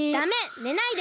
ねないで！